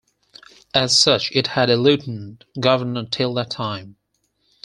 As such it had a Lieutenant Governor till that time.